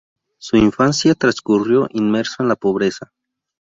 Su infancia transcurrió inmerso en la pobreza.